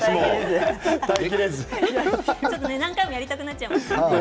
何回もやりたくなっちゃいますね。